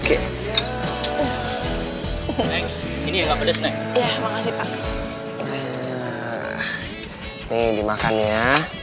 ini dimakan ya